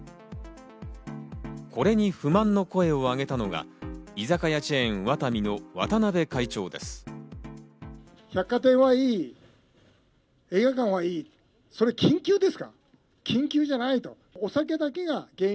これに不満の声を挙げたのが居酒屋チェーン、ワタミの渡辺会長です。